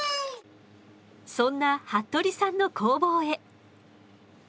そんな服部さんの工房へ。